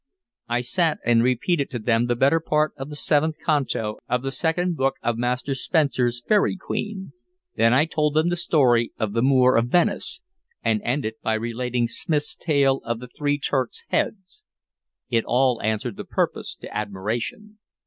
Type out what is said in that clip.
I sat and repeated to them the better part of the seventh canto of the second book of Master Spenser's "Faery Queen." Then I told them the story of the Moor of Venice, and ended by relating Smith's tale of the three Turks' heads. It all answered the purpose to admiration.